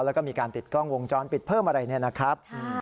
แล้วก็มีการติดกล้องวงจรปิดเพิ่มอะไรเนี่ยนะครับ